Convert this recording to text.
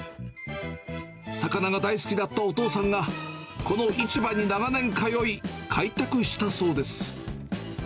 魚が大好きだったお父さんが、この市場に長年通い、開拓したそうです。